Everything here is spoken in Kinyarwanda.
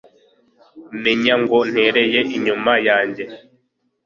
Umenya ngo ntereye inyuma yanjye